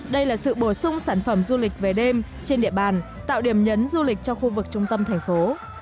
đây là sự bổ sung sản phẩm du lịch về đêm trên địa bàn tạo điểm nhấn du lịch cho khu vực trung tâm thành phố